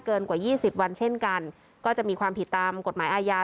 กว่ายี่สิบวันเช่นกันก็จะมีความผิดตามกฎหมายอาญา